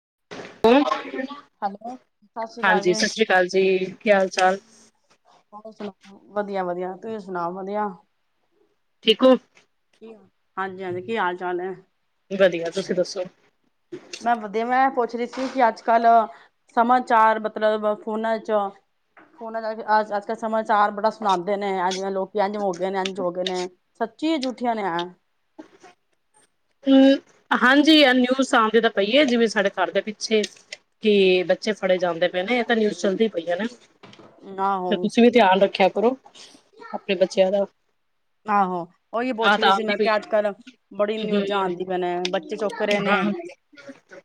[unintelligible] Hello, ਸਤਿ ਸ੍ਰੀ ਅਕਾਲ ਹਾਂਜੀ ਜੀ, ਸਤਿ ਸ੍ਰੀ ਅਕਾਲ ਜੀ, ਕੀ ਹਾਲ ਚਾਲ ਹੋਰ ਸੁਣਾਉ। ਵਧੀਆ ਵਧੀਆ, ਤੁਸੀ ਸੁਣਾਉ ਵਧੀਆ। ਠੀਕ ਹੋ। ਕੀ ਹਾਂਜੀ, ਹਾਂਜੀ, ਕੀ ਹਾਲ ਚਾਲ ਹੈ। ਵਧੀਆ ਤੁਸੀਂ ਦੱਸੋ। ਮੈਂ ਵਧੀਆ, ਮੈਂ ਪੁੱਛ ਰਹੀ ਸੀ ਕਿ ਅੱਜ ਕੱਲ ਸਮਾਚਾਰ ਮਤਲਬ ਫੋਨਾਂ ਚ ਫੋਨਾਂ ਚ ਅ ਅੱਜ ਕੱਲ੍ਹ ਸਮਾਚਾਰ ਬੜਾ ਸੁਣਾਉਂਦੇ ਨੇ, ਜਿਵੇਂ ਲੋਕ ਇੰਝ ਹੋ ਗਏ ਨੇ, ਇੰਝ ਹੋ ਗਏ ਨੇ ਸੱਚੀ ਝੂਠੀਆਂ ਨੇ। ਹੂੰ, ਹਾਂਜੀ ਨਿਊਜ਼ ਆਉਂਦੀ ਤਾਂ ਪਈ ਹੈ, ਜਿਵੇਂ ਸਾਡੇ ਘਰ ਦੇ ਪਿੱਛੇ ਕਿ ਬੱਚੇ ਫੜੇ ਜਾਂਦੇ ਪਏ ਨੇ, ਇਹ ਤਾਂ ਨਿਊਜ਼ ਚੱਲਦੀ ਪਈ ਹੈ ਨਾ। ਤੇ ਆਹੋ ਤੁਸੀਂ ਵੀ ਧਿਆਨ ਰੱਖਿਆ। [inaudible] ਆਪਣੇ ਬੱਚਿਆਂ ਦਾ ਆਹੋ ਉਹੀ ਆਹ ਪੁੱਛ ਤਾਂ ਰਹੀ ਸੀ, ਆਉਂਦੀ ਮੈਂ ਪਈ ਕਿਹਾ ਹੈ ਅੱਜ ਕੱਲ ਬੜੀ ਨਿਊਜ਼ਾਂ ਹਮ, ਆਂਦੀਆਂ ਪਈਆਂ ਨੇ ਚੁੱਕ ਰਹੇ ਨੇ, ਹਾਂ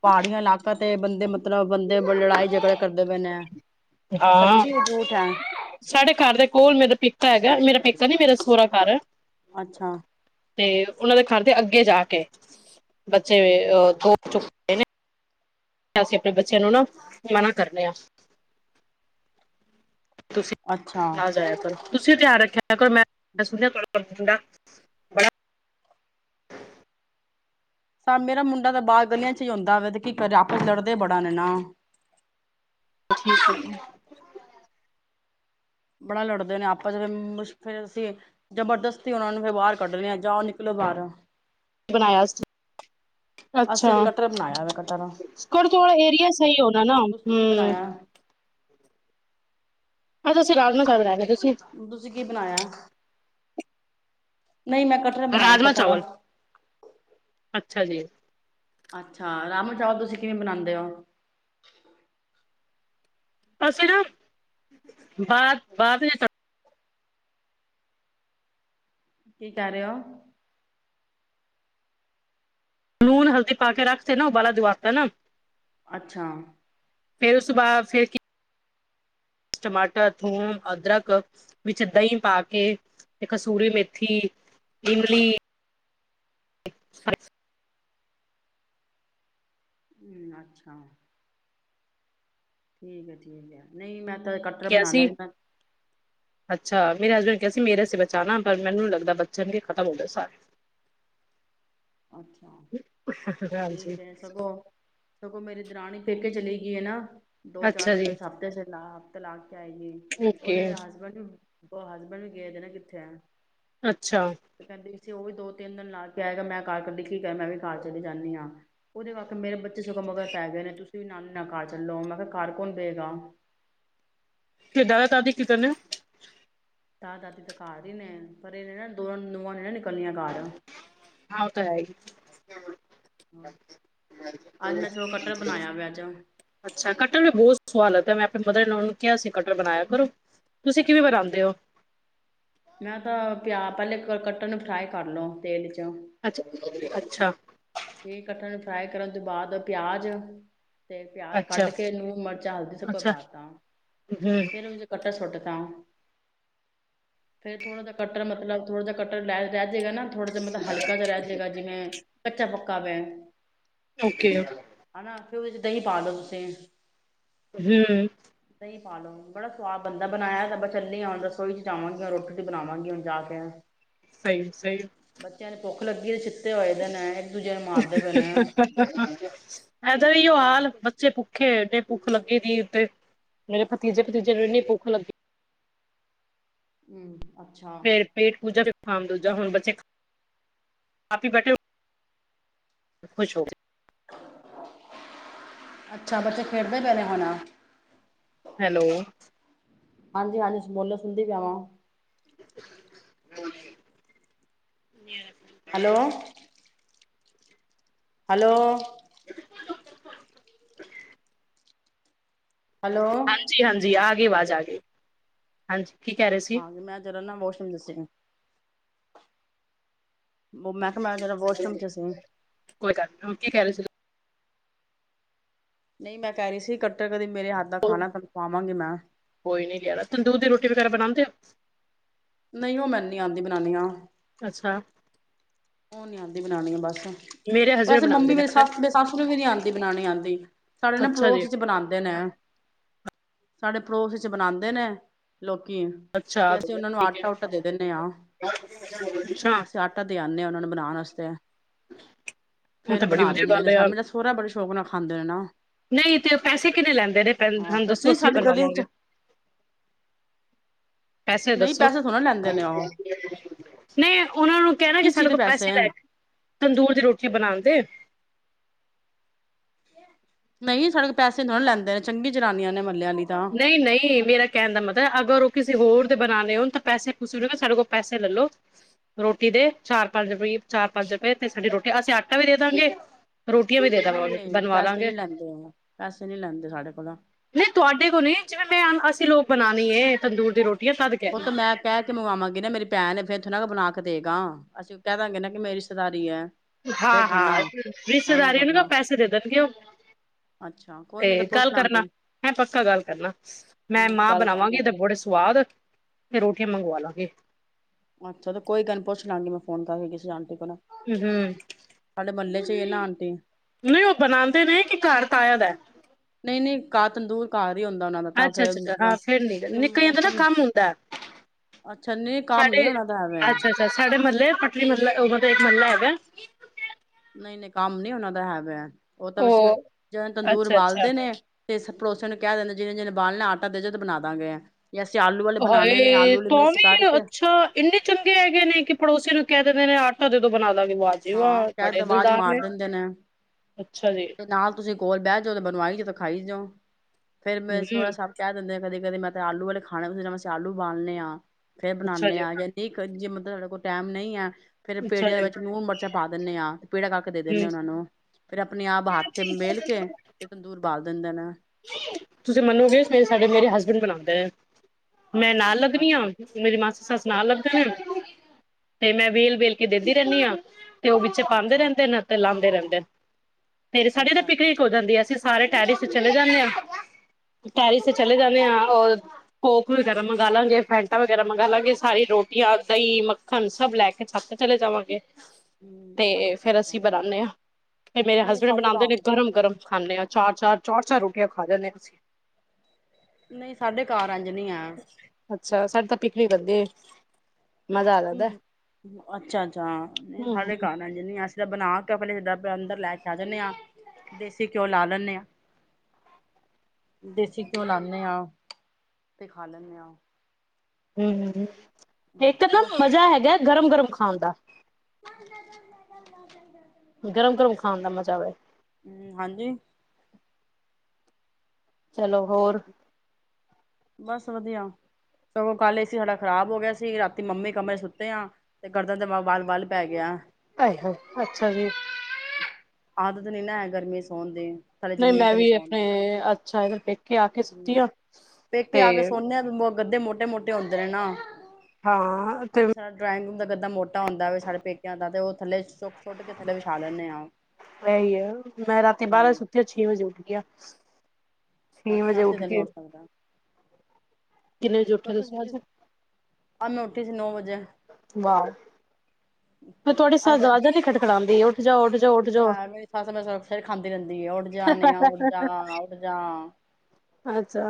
ਪਹਾੜੀ ਇਲਾਕਿਆ ਤੇ ਬੰਦੇ ਮਤਲਬ ਬੰਦੇ ਲੜਾਈ ਝਗੜੇ ਕਰਦੇ ਪਏ ਦੇ ਨੇ। ਹਾਂ, ਸੱਚੀ ਏ, ਝੂਠ ਹੈ ਸਾਡੇ ਘਰ ਦੇ ਕੋਲ ਮੇਰੇ ਹੈਗਾ, ਮੇਰਾ ਪੇਕਾ ਨੀ, ਮੇਰਾ ਸਹੁਰਾ ਘਰ ਅੱਛਾ ਤੇ ਉਹਨਾਂ ਦੇ ਘਰ ਤੇ ਅੱਗੇ ਜਾ ਕੇ ਬੱਚੇ ਅ ਦੋ ਕੁ ਚੁੱਕੇ ਨੇ ਅਸੀਂ ਆਪਣੇ ਬੱਚਿਆਂ ਨੂੰ ਨਾ ਮਨਾ ਕਰਦੇ ਆ। ਤੁਸੀਂ ਅੱਛਾ ਨਾ ਜਾਇਆ ਕਰੋ, ਤੁਸੀਂ ਧਿਆਨ ਰੱਖਿਆ ਕਰ ਮੈ [unintelligible] ਤਾਂ ਮੇਰਾ ਮੁੰਡਾ ਤਾਂ ਬਾਹਰ ਗਲੀਆਂ ਚ ਹੀ ਹੁੰਦਾ ਵਾਂ ਤੇ ਕੀ ਕਰਾ ਆਪਸ ਲੜਦੇ ਬੜਾ ਆ ਨਾ। ਠੀਕ ਬੜਾ ਲੜਦੇ ਨੇ ਆਪਾਂ ਚ ਫਿਰ ਅਸੀਂ ਜਬਰਦਸਤੀ ਉਹਨਾ ਨੂੰ ਫਿਰ ਬਾਹਰ ਕੱਢਣੇ ਆ ਜਾ ਨਿਕਲੋ ਬਾਹਰ। ਬਣਾਇਆ ਅੱਛਾ, ਅਸੀਂ ਅੱਜ ਕਟਰ ਬਣਾਇਆ ਵਾ ਕਟਰ ਥੋੜਾ ਥੋੜਾ ਏਰੀਆ ਸਹੀ ਹੋਣਾ ਨਾ, ਤੁਸੀਂ ਕੀ ਹਮਮ ਬਣਾਇਆ ਅੱਜ ਅਸੀ ਰਾਤ ਨੂੰ [inaudible] ਤੁਸੀਂ ਕੀ ਬਣਾਇਆ। ਨਹੀਂ ਮੈਂ ਕਟਰ ਬਣਾਇਆ ਰਾਜਮਾਂ ਕਟਰਾ ਅਛਾ ਜੀ ਅੱਛਾ ਰਾਜਮਾ, ਚਾਵਲ ਤੁਸੀਂ ਕਿਵੇਂ ਬਣਾਉਦੇ ਹੋ। ਅਸੀਂ ਨਾ ਬਾਅਦ ਬਾਅਦ ਵਿੱ ਕੀ ਕਹਿ ਰਹੇ ਹੋ। ਲੂਣ ਹਲਦੀ ਪਾ ਕੇ ਰੱਖਤੇ, ਨਾ ਉਬਾਲਾ ਦਵਾਤਾ ਨਾ। ਅੱਛਾ ਫੇਰ ਸੁਬਾਹ ਫਿਰ ਕੀ ਟਮਾਟਰ, ਥੂਮ, ਅਦਰਕ ਵਿੱਚ ਦਹੀਂ ਪਾ ਕੇ, ਕਸਤੂਰੀ ਮੇਥੀ, ਇਮਲੀ ਹੂੰ, ਅੱਛਾ। ਠੀਕ ਹੈ, ਠੀਕ ਹੈ, ਨਹੀਂ ਮੈਂ ਕਟਟਰ ਕਿਹਾ ਬਣਾ ਸੀ ਲੈਦਾ ਮੇਰੇ ਹਸਬੈਂਡ ਕਿਹਾ ਸੀ ਮੇਰੇ ਬਚਾਣਾ ਪਰ ਮੈਨੂੰ ਲੱਗਦਾ ਬੱਚਣ ਖਤਮ ਹੋ ਗਏ ਸਾਰੇ ਅੱਛਾ ਹਾਂਜੀ ਠੀਕ ਹੈ ਸਗੋਂ ਸਗੋਂ ਮੇਰੀ ਦਰਣੀ ਫੇਕੇ ਚਲੀ ਗਈ ਨਾ ਦੋ ਚਾਰ ਅੱਛਾ ਦਿਨ ਜੀ ਉਸ ਹਫ਼ਤੇ ਸ ਲ ਹਫ਼ਤੇ ਲਾ ਕੇ ਆਏ ਜ ਓਕੇ ਉਹਨੇ ਹਸਬੈਂਡ ਨੂੰ ਉਹ ਹਸਬੈਂਡ ਵੀ ਗਏਦੇ ਨਾ ਕਿੱਥੇ ਆ ਅੱਛਾ ਉਹ ਵੀ ਦੋ ਤਿੰਨ ਦਿਨ ਲਾ ਕੇ ਆਏਗਾ ਮੈਂ ਕਾਰ ਕਰਦੀ ਕੀ ਕਰ ਮੈਂ ਵੀ ਕਾਰ ਚੀ ਜਾਂਦੀ ਹਾਂ ਉਹਦੇ ਵਕੇ ਮੇਰੇ ਬੱਚੇ ਸੁਖਮਗਰ ਪੈ ਗਏ ਨੇ ਤੁਸੀਂ ਵੀ ਨ ਨਾ ਕਾਰ ਚੱਲੋ ਮੈਂ ਕਿਹਾ ਘਰ ਕੌਣ ਵਗਾ ਦਦਾ ਤਦੀ ਕਿ ਕੀਤਾ ਨੇ ਤ ਦਾਦੀ ਤਾਂ ਕਰ ਹੀ ਨੇ ਪਰ ਇਹ ਨਾ ਦੋ ਨੋਵ ਨ ਹਾ ਉਹ ਤਾਂ ਹੈ ਹੀ ਹਾਂ ਅੱਜ ਮੈਂ ਸਗੋਂ ਕਟਰ ਬਣਾਇਆ ਵਾ ਅੱਜ ਅੱਛਾ ਕੱਟ ਮੇ ਬਹੁਤ ਸਵਾਦ ਮੈਂ ਆਪਣੇ ਮਦਰ ਨੇ ਉਹਨੂੰ ਕਿਹਾ ਸੀ ਕਟਰ ਬਣਾਇਆ ਕਰੋ ਤੁਸੀਂ ਕਿਵੇਂ ਬਣਾਉਂਦੇ ਹੋ ਮੈਂ ਤਾਂ ਪਿਆ ਪਹਿਲੇ ਕ ਕੱਟਣ ਨੂੰ ਫਰਾਈ ਕਰ ਲਓ ਤੇਲ ਚ ਅ ਅੱਛਾ ਇਹ ਕੱਟਣ ਨੂੰ ਫਰਾਈ ਕਰਨ ਤੋਂ ਬਾਅਦ ਪਿਆਜ਼ ਤੇ ਪਿਆਜ ਅੱਛਾ ਕੱਢ ਕੇਨੂੰ ਮਿਰਚਾਂ ਹਲਦੀ ਤੋਂੱਕ ਅੱਛਾ ਪਾ ਤਾ ਹਮ ਫੇਿਰ ਉਹਨ ਚ ਕੱਟਾ ਸੁੱਟ ਤਾ ਫੇਰ ਥੋੜਾ ਜ ਕਟਰ ਮਤਲਬ ਥੋੜਾ ਜ ਕੱਟਰ ਲੈ ਰਹਿ ਗਾ ਨਾ ਥੋੜਾ ਜਿ ਮਤਲਬ ਹਲਕਾ ਜਹਾਹਿ ਜਾਏਗਾ ਜਿਵੇ ਕੱਚਾ [unintelligible] ਓਕੇ ਹਨਾ ਦਹੀਂ ਪਾ ਲੋਓ ਤੁਸੀਂ ਹਮ ਪਾਾਲਓ ਬੜਾ ਸਵਾਦ ਬੰਦਾ ਬਣਾਇਆ ਤਾਂ ਚੱਲੀ ਹੁਣ ਰਸੋਈ ਚ ਜਾਵਾਂਗੀ ਰੋਟੀ ਚ ਬਣਾਵਾਂਗੀ ਹੁਣ ਜਾ ਕੇ [unintelligible] [unintelligible] [unintelligible] ਪਏ ਨੇ ਹੋਰ [unintelligible] ਭੁੱਖੇ ਤੇ ਭੁੱਖ ਲਗੇਗੀ ਫੇਰ ਮੇਰੇ ਭਤੀਜੇ ਭਤੀਜੇ ਨੂੰ ਇੰਨੀ ਭੁੱਖ ਲੱਗੀ [unintelligible] ਫੇਰ ਪੇਟ ਪੂਜਾ [unintelligible] [unintelligible] ਅੱਛਾ ਬੱਚੇ ਖੇਡਦੇ ਪੈ ਨੇ ਹੁਣ ਹੈਲੋ ਹਾਂਜੀ ਹਾਂਜੀ ਬੋਲੋ [unintelligible] [unintelligible] ਹੈਲੋ ਹੈਲੋ [unintelligible] ਹੈਲੋ ਹਾਂਜੀ ਹਾਂਜੀ ਆਗੀ ਆਵਾਜ਼ [inaudible] [unintelligible] [unintelligible] ਮੈਂ ਕਿਹਾ ਮੈ ਜਰਾ ਵਾਸ਼ਰੂਮ ਚ ਸੀ [unintelligible] [unintelligible] ਕਦੇ ਮੇਰੇ ਹੱਥ ਦਾ ਖਾਣਾ [unintelligible] ਖੁਵਾਵਾਂਗੀ ਮੈਂ ਕੋਈ ਨੀ ਲਿਆਣਾ [unintelligible] [unintelligible] ਅੱਛਾ ਨੀ ਆਂਦੀ [unintelligible] ਮੇਰੇ ਹਸਬੈਂਡ ਵੈਸੇ ਬਣਾਉਂਦੇ ਮੰਮੀ ਨੇ ਮੇਰੀ ਪਤਾ ਸੱਸ ਦੀ ਸੱਸ ਨੂੰ ਵੀ ਨੀ ਆਉਂਦੀ ਬਣਾਉਣੀ ਆਉਂਦੀ ਸਾਡੇ ਨਾ ਅੱਛਾ ਜੀ ਪੜੋਸ ਚ ਬਣਾਉਂਦੇ ਨੇ ਸਾਡੇ ਪੜੋਸ ਚ ਬਣਾਂਦੇ ਨੇ ਲੋਕ [unintelligible] ਅੱਛਾ ਤੇ ਅਸੀਂ ਉਹਨਾਂ ਨੂੰ ਠੀਕ ਆਟਾ ਹੈ ਉੱਟਾ ਦੇ ਦੇਣੇ ਆ ਅੱਛਾ ਆਟਾ ਦੇ ਆਨੇ ਹਾਂ [unintelligible] ਉਹ ਫੇਰ ਤਾਂ ਬੜੀ ਬਣਾ ਵਧੀਆ ਦਿੰਦੇ ਗੱਲ ਨੇ ਹੈ ਸਾਨੂੰ ਯਾਰ ਮੇਰਾ ਸੋਰਾ ਬੜੇ ਸ਼ੌਕ ਨਾਲ ਖਾਂਦੇ ਨੇ ਨਾ ਨਹੀਂ ਤੇ ਉਹ ਪੈਸੇ ਕਿੰਨੇ ਲੈਂਦੇ ਨੇ [unintelligible] ਹਾਂ ਸਾਨੂੰ ਵੈਸੇ ਦੱਸੋ ਨਹੀਂ ਅਸੀਂ ਸਾਡੀ ਗਲੀ ਚ ਬਣਾਵਾਂਗੇ ਪੈਸੇ ਨਹੀਂ ਦੱਸੋ ਥੋੜਾ ਲੈਂਦੇ ਨੇ ਉਹ [unintelligible] ਨਹੀਂ ਉਹਨਾਂ ਨੂੰ ਕਹਿਣਾ ਕਿ ਕਿਸ ਚੀਜ਼ ਸਾਡੇ ਦੇ ਕੋਲ ਪੈਸੇ ਹੈ। ਲੈ ਕੇ ਤੰਦੂਰ ਦੀ ਰੋਟੀੀਆਂ ਬਣਾਉਣ ਦੇ ਨਹੀਂ ਸਾਡੇ ਤੋਹ ਪੈਸੇ ਥੋੜਾ ਲੈਂਦੇ ਨੇ ਚੰਗੀ ਜਨਾਨੀਆਂ ਨੇ ਮਹੱਲੇ ਆਲੀ ਤਾਂ ਨਹੀਂ ਨਹੀਂ ਮੇਰਾ ਕਹਿਣ ਦਾ ਮਤਲਬ ਅਗਰ ਉਹ ਕਿਸੇ ਹੋਰ ਬਣਾਉ ਲ ਹੋਣ ਤਾਂ ਪੈਸੇਸੀ ਸਾਡੇ ਕੋਲ ਪੈਸੇ ਲੈਲੋ ਰੋਟੀ ਦੇ ਚਾਰ ਪੰਜ ਰੁਪਈਏ ਚਾਰ ਪੰਜ ਰੁਪਏ ਤੇ ਸਾਡੀ ਰੋਟੀ ਅਸੀਂ ਆਟਾ ਵੀ ਦੇ ਦਾਂਗੇ ਰੋਟੀਆਂ ਵੀ ਦੇ ਨਹੀਂ ਦੇਵਾਂਗੇ ਨਹੀਂ ਬਣਵਾ ਪੈਸੇ ਲਾਂਗੇ ਨਹੀਂ ਲੈਂਦੇ ਉਹ ਪੈਸੇ ਨਹੀਂ ਲੈਂਦੇ ਸਾਡੇ ਕੋਲੋਂ ਨਹੀਂ ਤੁਹਾਡੇ ਕੋਲ ਜਿਵੇਂ ਮੈਂ ਅਸੀਂ ਲੋਕ ਬਣਾਉਣੀ ਹੈਏ ਤੰਦੂਰ ਦੀ ਰੋਟੀ ਉਹ ਤੇ ਮੈਂ ਕਹਿ ਕੇ ਮਵਾਵਾਂਗੀ ਨਾ ਮੇਰੀ ਭੈਣ ਨੇ ਫੇਰ ਥੋੜੇ ਨਾ ਬਣਾ ਕੇ ਦੇਗਾ ਅਸੀਂ ਕਹਿ ਦਾਂਗੇ ਨਾ ਕਿ ਮੇਰੀ ਰਿਸ਼ਤੇਦਾਰੀ ਹੈ ਫੇਰ ਹਾਂ ਥੋੜਾ ਹਾਂ ਨਾ ਐਵੇਂ ਰਿਸ਼ਤੇਦਾਰੀ ਥੋੜਾ ਉਹਨ ਉਹ ਨਾ ਪੈਸੇ ਦੇ ਦਦੇ ਕਿ ਉਹ ਅੱਛਾ ਤੇ ਕੋਈ ਨੀ ਉਹ ਤਾਂ ਪੁੱਛ ਗੱਲ ਕਰਨਾ ਲਾਂਗੇ ਮੈਂ ਪੱਕਾ ਗੱਲ ਕਰਨਾ ਮੈਂ ਮਾਂਹ ਗੱਲ ਕਰ ਲਾਂ। ਬਣਾਵਾਂਗੀ ਬੜੇ ਸਵਾਦ ਰੋਟੀਆਂ ਮੰਗਵਾ ਲਾਂਗੇ ਅੱਛਾ ਤੇ ਕੋਈ ਗੱਲ ਪੁੱਛ ਲਵਾਂਗੇ ਮੈਂ ਫੋਨ ਕਰਕੇ ਕਿਸੇ ਜਾਣ ਹੂੰ ਸਾਡੇ ਮਹੱਲੇ ਜੇ ਲਉਣ ਤੇ ਨਹੀਂ ਉਹ ਬਣਾਉਂਦੇ ਨੇ ਕਿ ਘਰ ਤਾਇਆ ਦਾ ਨਹੀਂ ਨਹੀਂ ਕਾਹ ਤੰਦੂਰ ਕਾਹ ਅੱਛਾ ਅੱਛਾ ਅੱਾ ਹ ਫਿਰ ਨੀ ਜਿਵੇਂ ਨਿੱ ਨਾ ਮੌਸਮ ਕੰਮ ਹੁੰਦਾ ਅੱਛਾ ਨਹੀਂ ਕੰਮ ਸਾੇ ਨੀ ਉਹਨਾਂ ਦਾ ਹੈਵੇ ਆ ਅੱਛਾ ਅੱਛ ਸਾਡੇ ਮਹੱਲੇ ਪਟਲਬ ਮਹੱਲਾ ਹੈਗਾ ਨਹੀਂ ਨਹੀਂ ਕੰਮ ਨੀ ਉਹਨਾਂ ਦਾ ਹੈ ਉਹ ਤਾਂ ਬਸੀ ਜਦੋਂ ਤੰਦੂਰ ਅੱਛਾ ਅੱਛਾ ਬਾਲਦੇ ਨੇ ਤੇ ਸਬ ਪੜੋਸੀਆਂ ਨੂੰ ਕਹਿ ਦਿੰਦੇ ਜਿਹਨੇ ਜਿਹਨੇ ਬਾਲਨਾ ਆਟਾ ਦੇਜੋ ਤੇ ਬਣਾ ਦਾਂਗੇ ਆ ਹਾਏ ਤਾਂ ਵੀ ਕਰਕੇ ਅੱਛਾ ਇੰਨੇ ਚੰਗੇ ਹੈਗੇ ਨੇ ਕਿ ਪੜੋਸੀ ਨੂੰ ਕਹਿ ਦਿੰਦੇ ਨੇ ਕਦੇ ਤੋਂ ਬਣਾ ਲ ਹਾਂ ਕਹਿ ਦ ਆਵਾਜ਼ ਮਾਰ ਦਿੰਦੇ ਨੇ ਅੱਛਾ ਜੀ, ਤੇ ਨਾਲ ਤੁਸੀਂ ਕੋਲ ਬਹਿ ਜੋ ਤੇ ਬਣਵਾਈ ਜਦੋਂ ਖਾਈ ਜਾਉ ਫੇਰ ਮੈਂ ਹੂੰ, ਸੋਹਰਾ ਸਾਬ ਕਹਿ ਦਿੰਦੇ ਕਦੇ ਕਦੇ ਮੈਂ ਤਾਂ ਆਲੂ ਵਾਲੇ ਖਾਣੇ ਤੁ ਮਂ ਆਲੂ ਉਬਾਲਣੇ ਆਂ ਫੇਰ ਅੱਛਾ ਬਣਾਉਂਦੇ ਜੀ, ਆ ਜਾਂਦੀ ਜੇ ਮਤਲਬ ਸਾਡੇ ਕੋਲ ਟਾਈਮ ਨਹੀਂ ਐ ਫੇਰ ਅੱਛਾ ਪੇੜਿਆਂ ਦੇ ਜੀ, ਵਿੱਚ ਮੂੰਹ ਮ ਚ' ਪਾ ਦਿੰਨੇ ਆ ਪੇੜਾ ੱਕ ਦੇ ਦਿੰਦੇ ਹੂੰ। ਉਹਨਾਂ ਨੂੰ ਫਿਰ ਆਪਣੇ ਆਪ ਹੱਥ ਮੇਲ ਕੇ ਤੇ ਤੰਦੂਰ ਬਾਲ ਦਿੰਦੇ ਨੇ ਤੁਸੀਂ ਮੰਨੋਗੇੇ ਸਾਡੇ ਮੇਰੇ ਹਸਬੈਂਡ ਬਣਾਉਂਦੇ ਹੈ ਮੈਂ ਨਾਲ ਲੱਗਵ ਹਾਂ ਅੱਛਾ, ਮੇਰੀ ਮਾਸੀ ਸੱਸ ਸੁਣਾ ਲਵ ਤੁਂ ਤੇ ਮੈਂ ਵੇਲ ਵੇਲ ਕੇ ਦੇਦੀ ਰਹਿੰਦੀ ਹਾਂ ਤੇ ਉਹ ਵਿੱਚ ਪਾਉਂਦੇ ਅੱਛਾ, ਰਹਿੰਦੇ ਨੇ ਅਤੇ ਲਾਂਦੇ ਰਹਿੰਦੇ [unintelligible] ਫੇਰ ਸਾਡੇ ਤਾਂ ਅੱਛਾ, ਅੱਛਾ ਪਿਕਨਿਕ ਹੋ ਜਾਂਦੀ ਆ ਅ ਸਾਰੇ ਕਹਿ ਰੇ ਸੀ ਚਲੇ ਜਾਂਦੇ ਹਾਂ ਟੈਰੀ ਤੇ ਚਲੇ ਜਾਂਦੇ ਹਾਂ ਔਰ ਕੋਕ ਵਗੈਰਾ ਮੰਗਾਲਾਂਗੇ ਫੈਂਟਾ ਵਗੈਰਾ ਮੰਗ ਲਾਂਗੇ ਸਾਰੀ ਰੋਟੀਆਂ ਦਹੀਂ ਮੱਖਣ ਸਭ ਲੈ ਕੇ ਛੱਤ ਤੇ ਚਲੇ ਜਾਵਾਂਗੇ ਹੂੰ ਤੇ ਅੱਛਾ, ਫੇਰ ਅੱਛਾ ਅਸੀਂ ਬਣਾਉਦੇ ਹਾਂ ਫਿਰ ਮੇਰੇ ਨਹੀਂ ਹਸਬੈਂਡ ਸਾਡੇ ਬਣਾਉਂਦੇ ਘਰ ਨੇ ਗਰਮ ਗਰਮ ਖਾਂਦੇ ਆਾਂ ਚਾਰ ਚਾਰ ਚਾਰ ਚਾਰ ਰੋਟੀਆਂ ਖਾ ਜਾਂਦੇ ਅਸੀਂ ਨਹੀਂ ਸਾਡੇ ਘਰ ਐਂਜ ਨਹੀਂ ਏ ਅੱਛਾ ਸਾਡੇ ਤਾਂ ਪਿਕਨਿਕ ਬੰਦੇ ਹਮ ਅੱਛਾ ਅੱਛਾ ਨਹੀਂ ਹਮ ਸਾਡੇ ਘਰ ਐਂਜ ਨੀ ਹੈ ਅਸੀਂ ਤਾਂ ਬਣਾ ਕਪਲੇ ਜਿੱਦਾਂ ਅੰਦਰ ਲੈ ਕੇ ਆ ਜਾਂਦੇ ਹਾਂ ਦੇਸੀ ਘਿਓ ਲਾ ਲੈਂਦੇ ਹਾਂ ਦੇਸੀ ਘਿਓ ਲਾਦੇ ਹਾਂ ਤੇ ਖਾ ਲੈਂਦੇ ਆ ਹੂੰ ਹੂੰ ਇੱਕਦਮ ਹੋਰ ਮਜ਼ਾ ਹੈਗਾ ਗਰਮ ਗਰਮ ਖਾਉਂਦਾ ਆਂਦਾ [unintelligible] ਗਰਮ ਗਰਮ ਖਾਣ ਦਾ ਮਜ਼ਾ ਵੇ ਹਾਂਜੀ ਚਲੋ ਹੋਰ ਬਸ ਵਧੀਆ ਸਗੋਂ ਕੱਲ ਏ ਸੀ ਸਾਡਾ ਖ਼ਰਾਬ ਹੋ ਗਿਆ ਸੀ ਰਾਤੀ ਮੰਮੀ ਕਮਰੇ ਸੁੱਤੇ ਆ ਤੇ ਗਰਦਨ ਦੇ ਵੱਲ ਵੱਲ ਪੈ ਗਿਆ ਆਏ ਹਾਏ ਅੱਛਾ ਜੀ ਆਦਤ ਨੀ ਨਾ ਹੈ ਗਰਮੀ ਚ ਸੌਣ ਦੀ ਥੱਲੇ ਨਹੀਂ ਜ਼ਮੀਨ ਮੈਂ ਤੇ ਵੀ ਸੌਣ ਆਪਣੇ ਦੀ ਅੱਛਾ ਇਹਦਾ ਕੇ ਆ ਕੇ ਸੁੱਤੀ ਹੂੰ ਆ ਪੇਕੇ ਤੇ ਆ ਕੇ ਸੋਨੇ ਆ ਗੱਦੇ ਮੋਟੇ ਮੋਟੇ ਹੁੰਂਦੇ ਨੇ ਨਾ ਹਾਂ ਤੇ ਜੇ ਸਾਡਾ ਡਰਾਇੰਗ ਰੂਮ ਗੱਦਾ ਮੋਟਾ ਹੁੰਦਾ ਵੇ ਸਾਡੇ ਪੇਕਿਆਂ ਦਾ ਤੇ ਉਹ ਥਲੇ ਵਹੀ ਹੈ ਮੈਂ ਰਾਤੀ ਬਾਰਾਂ ਵਜੇ ਹੂੰ ਸੁੱਤੀ ਆ ਛੇ ਵਜੇ ਉੱਠਗੀ ਆ ਅੱਛਾ ਅਸੀਂ ਤੇ ਨੀ ਉੱਠ ਸਕਦੇ ਕਿੰਨੇ ਵਜੇ [inaudible] ਉੱਠੇ ਕਦੋ ਤੁਸੀਂ ਸੁੱਤੀ ਸੀ ਅ ਮੈ ਨੌ ਵਜੇ ਵਾਉ ਫੇਰ ਤੁਹਾਡੇ ਸਾਥ ਜਿਆਦਾ ਤੇ ਖਟ ਖੜਾਉਂਦੀ ਅ ਜ ਉਡ ਜ ਲੈ ਮੇਰੀ ਸੱਸ ਮੈਂ ਸ ਸਿਰ ਖਾਂਦੀ ਰਹਿੰਦੀ ਏ ਉੱਠ ਜਾ ਨੇ ਆ ਉੱਠ ਜਾ ਉੱਠ ਜਾ। ਅੱਛਾ।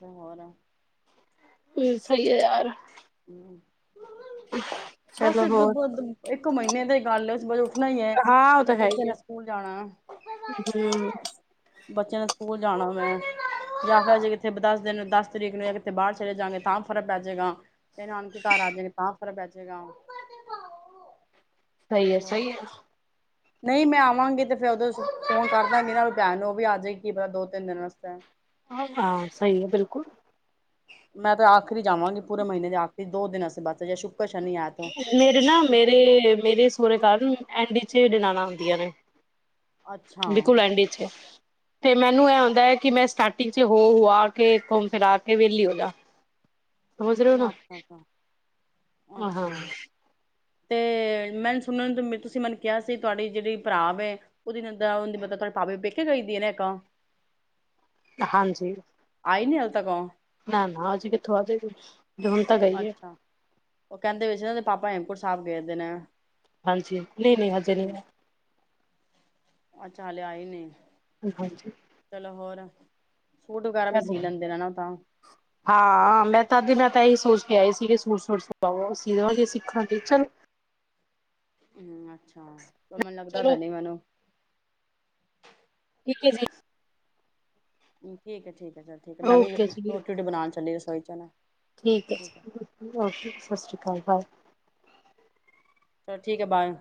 ਤਾਂ ਹੋਰ ਸਹੀ ਐ ਯਾਰ। ਹਂ ਬੱਸ ਚਲੋ ਹੋਰ [inaudible] ਇੱਕ ਮਹੀਨੇ ਦੀ ਗੱਲ ਏ ਵਜੇ ਉੱਠਣਾ ਈ ਐ, ਹਾਂ ਉਹ ਤਾਂ ਜਿਹਨੇ ਹੈ ਬੱਚੇ ਹੀ ਹੈ ਨੇ ਸਕੂਲ ਜਾਣਾ। ਹੂੰ ਬੱਚਿਆਂ ਨੇ ਸਕੂਲ ਜਾਣਾ ਵੈਂ ਜਾਂ ਫਿਰ ਜੇ ਕਿੱਥੇ ਦਸ ਦਿਨ ਦਸ ਤਰੀਕ ਨੂੰ ਕਿਥੇ ਬਾਹਰ ਚਲੇ ਜਾਗੇ ਤਾਂ ਫਰਕ ਪੈ ਜੇਗਾ। ਫੇਰ ਆਣ ਕੇ ਘਰ ਆ ਜਾਣਗੇ ਤਾਂ ਫੇਰ ਬੈਜੇਗਾ, ਉੱਪਰ ਤੇ ਪਾਉ। ਸਹੀ ਐ ਸਹੀ ਐ। ਨਹੀਂ ਮੈਂ ਆਵਾਂਗੀ ਤੇ ਫਿਰ ਉਹਦੋਂ ਫੋਨ ਕਰਦਾਂਗੀਂ ਆਪਣੀ ਪੈਣ ਨੂੰ ਉਹ ਵੀ ਆ ਜਾਏਗੀ ਕੀ ਪਤਾ ਦੋ ਤਿੰਨ ਦਿਨ ਵਾਸਤੇ ਆਆਂ ਹਾਂ ਸਹੀ ਐ ਬਿਲਕੁਲ। ਮੈਂ ਤਾਂ ਆਖਰੀ ਜਾਵਾਂਗੀ ਪੂਰੇ ਮਹੀਨੇ ਦੇ ਆਖਰੀ ਦੋ ਦਿਨਾਂ ਬੱਸ ਜਾਂ ਸ਼ੁ ਮੇਰੇ ਨਾ ਮੇਰੇ ਮੇਰੇ ਸਹੁਰੇ ਕਾਰਨ ਐਂਡੀਚ ਨਾਲ ਆਉਂਦੀਆਂ ਨੇ। ਬਿਲਕੁਲ ਅੱਛਾ-ਅੱਛਾ, ਐਂਡ ਇਚ ਤੇ ਮੈਨੂੰ ਇਹ ਆਂਓਦਾ ਹੈ ਕਿ ਮੈਂ ਸਟਾਰਟਿੰਗ ਚ ਹੋ ਆ ਕੇ ਘੁੰਮ ਫਿਰਾ ਕੇ ਵਿਹਲੀ ਹੋ ਜਾ। ਸਮਝ ਰਹੇ ਹੋ ਨਾ ਅੱਛਾ ਅੱਛਾ ਅੱਛਾ। ਹਾਂ। ਤੇ ਮੈਨ ਸੁਣ ਤੁਸੀਂ ਮੈਨੂੰ ਕਿਹਾ ਸੀ ਤੁਆਡੀ ਜਿਹੜੀ ਭਰਾ ਵੇ ਉਹਦੀ ਨਨਦ ਮਤਲਬ ਤੁਹਾਡੇ ਪਾਬੀ ਪੇਕੇ ਗਈਦੀ ਇੱਕ। ਹਾਂਜੀ। ਆਈ ਨੀ ਹਲੇ ਤੱਕ ਓ। ਨਾਂ ਨਾਂ ਹਜੇ ਕਿੱਥੋਂ ਆਜੇਗੀ। ਹੂਣ ਤਾਂ ਗਈਏ। ਅੱਛਾ। ਉਹ ਕਹਿੰਦੇ ਵੀ ਸੀ ਨਾ ਦੇ ਪਾਪਾ ਹੇਮਕੁੰਟ ਸਾਹਿਬ ਗਏਦੇ ਨੇ। ਹਾਂਜੀ ਨਈਂ ਨਈਂ ਹਜੇ ਨਈਂ ਅੱਛਾ ਹਾਲੇ ਆਏ ਨੀਂ। ਆਈ। ਹਾਂਜੀ ਚਲੋ ਹੋਰ ਸੂਟ ਵਗੈਰਾ ਵੀ ਚਲੋ ਸੀ ਲੈਂਦੇ ਨੇ ਨਾ ਤਾਂ ਹਾਂ ਮੈਂ ਤਦ ਮੈਂ ਤਾਂ ਇਹੀ ਸੋਚ ਕੇ ਆਈ ਸੀ ਕਿ ਸੂਟ ਸੁਟ ਸੁਵਾਵ ਅਸੀ ਦੇਵਾਂਗੇ ਸਿੱਖਾਂ ਟੀਚ ਹਂ, ਅੱਛਾ ਮੈਨੂੰ ਲੱਗਦਾ ਤੇ ਚਲੋ ਨੀਂ ਮੈਨੂੰ ਠੀਕ ਹੈ ਜੀ। ਹਂ, ਠੀਕ ਐ, ਠੀਕ ਐ। ਠੀਕ ਐ, ਠੀਕ ਐ। ਮੈਂ ਨੀਂ ਓਕੇ ਜੀ ਰੋਟੀ ਰੂਟੀ ਬਣਾਣ ਚਲੀਸੁ ਸੌਜਨਾ ਠੀਕ ਹੈ ਓਕੇ ਸਤਿ ਸ਼੍ਰੀ ਅਕਾਲ ਬਾਏ ਚਲੋ ਠੀਕ ਹੈ ਬਾਏ